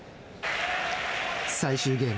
最終ゲーム。